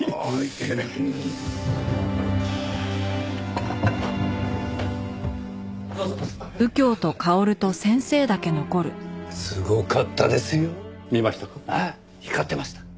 ええ光ってました。